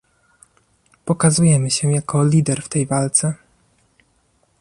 Pokazujemy się jako lider w tej walce